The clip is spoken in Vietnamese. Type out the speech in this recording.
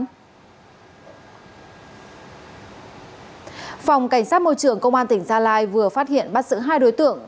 phòng cảnh sát môi trường công an tỉnh gia lai vừa phát hiện bắt xử hai đối tượng